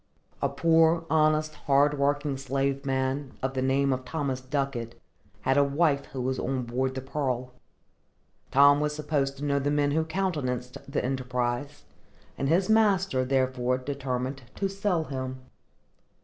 A poor, honest, hard working slave man, of the name of Thomas Ducket, had a wife who was on board the Pearl. Tom was supposed to know the men who countenanced the enterprise, and his master, therefore, determined to sell him.